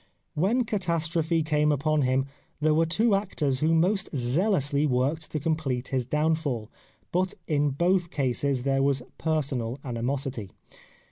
When catastrophe came upon him there were two actors who most zealously worked to com plete his downfall ; but in both cases there was personal animosity.